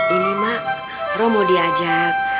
ini mak roh mau diajak